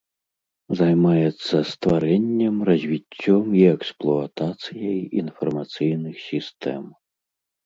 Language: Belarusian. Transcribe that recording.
Займаецца стварэннем, развіццём і эксплуатацыяй інфармацыйных сістэм.